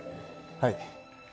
はい